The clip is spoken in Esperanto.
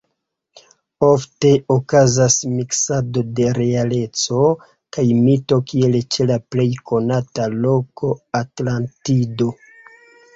Ofte okazas miksado de realeco kaj mito kiel ĉe la plej konata loko Atlantido.